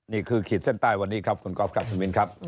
นี่คือขีดเส้นใต้วันนี้ครับคุณกอฟคุณวินครับ